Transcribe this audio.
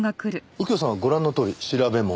右京さんはご覧のとおり調べ物。